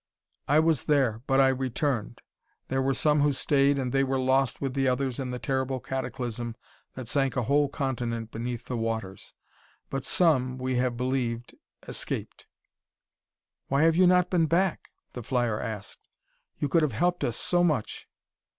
"I was there, but I returned. There were some who stayed and they were lost with the others in the terrible cataclysm that sank a whole continent beneath the waters. But some, we have believed, escaped." "Why have you not been back?" the flyer asked. "You could have helped us so much."